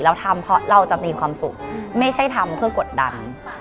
เราทำเพราะเราจะมีความสุขไม่ใช่ทำเพื่อกดดัน